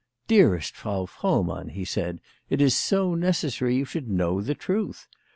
" Dearest Frau Frohmann," he said, " it is so necessary you should know the truth !